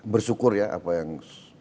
bersyukur ya apa yang